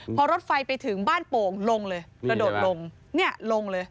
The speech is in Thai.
พอรถไฟไปถึงบ้านโป่งลงเลยกระโดดลงเนี่ยลงเลย